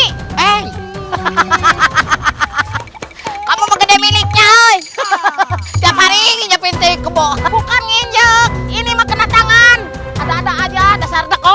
hehehe kamu meng buddhist harinya inithen ini demikian makanan ada ada ada ada deco